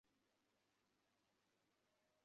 তিনি প্রথম টেকনিকালার এবং বড় পর্দা ব্যবহার করেন।